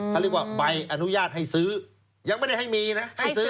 เขาเรียกว่าใบอนุญาตให้ซื้อยังไม่ได้ให้มีนะให้ซื้อ